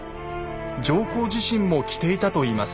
上皇自身も着ていたといいます。